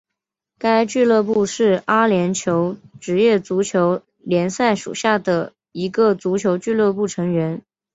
该俱乐部是阿联酋职业足球联赛属下的一个足球俱乐部成员。